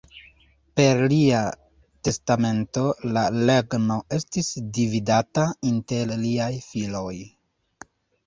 Per lia testamento la regno estis dividata inter liaj filoj.